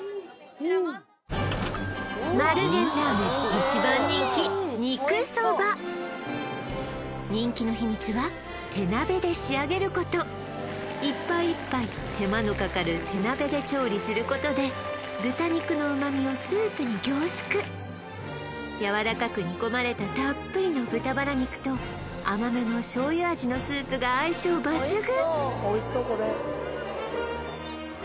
一番人気肉そば人気の秘密は手鍋で仕上げること一杯一杯手間のかかる手鍋で調理することで豚肉の旨味をスープに凝縮やわらかく煮込まれたたっぷりの豚バラ肉と甘めの醤油味のスープが相性抜群